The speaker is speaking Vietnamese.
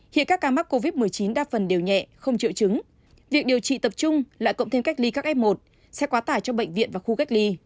hiện các ca mắc covid một mươi chín đa phần đều nhẹ không triệu chứng việc điều trị tập trung lại cộng thêm cách ly các f một sẽ quá tải cho bệnh viện và khu cách ly